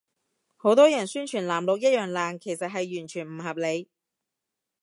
好多人宣傳藍綠一樣爛，其實係完全唔合理